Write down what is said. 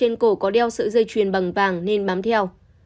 trên cổ có đeo sợi dây chuyền bằng vàng nên bám theo